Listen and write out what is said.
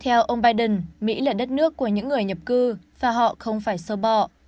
theo ông biden mỹ là đất nước của những người nhập cư và họ không phải sơ bọ